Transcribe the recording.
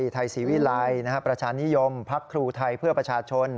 ภักดิ์ศรีวิลัยภักดิ์ประชานิยมภักดิ์ครูไทยเพื่อประชาชน